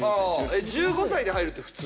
１５歳で入るって普通？